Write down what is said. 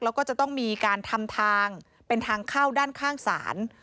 แล้วก็จะต้องมีการทำทางเป็นทางเข้าด้านข้างศาล